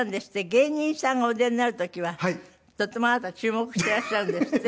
芸人さんがお出になる時はとてもあなた注目していらっしゃるんですって？